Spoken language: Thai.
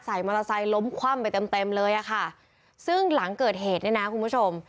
มอเตอร์ไซค์ล้มคว่ำไปเต็มเต็มเลยอ่ะค่ะซึ่งหลังเกิดเหตุเนี่ยนะคุณผู้ชม